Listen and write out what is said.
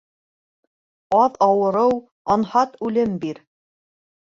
Аҙ ауырыу, анһат үлем бир.